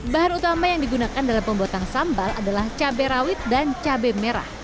bahan utama yang digunakan dalam pembuatan sambal adalah cabai rawit dan cabai merah